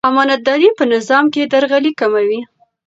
امانتداري په نظام کې درغلي کموي.